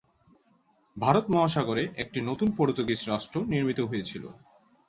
ভারত মহাসাগরে একটি নতুন পর্তুগিজ রাষ্ট্র নির্মিত হয়েছিল।